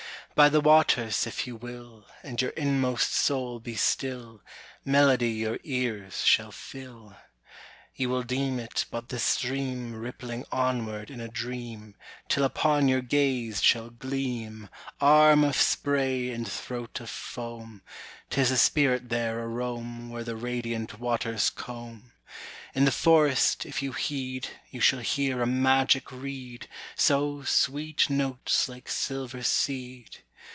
"By the waters, if you will, And your inmost soul be still, Melody your ears shall fill. "You will deem it but the stream Rippling onward in a dream, Till upon your gaze shall gleam "Arm of spray and throat of foam 'Tis a spirit there aroam Where the radiant waters comb. "In the forest, if you heed, You shall hear a magic reed Sow sweet notes like silver seed.